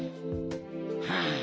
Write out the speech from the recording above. はあ。